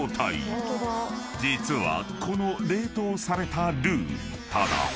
［実はこの冷凍されたルーただ］